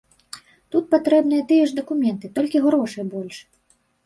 Тут патрэбныя тыя ж дакументы, толькі грошай больш.